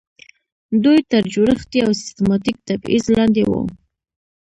دوی تر جوړښتي او سیستماتیک تبعیض لاندې وو.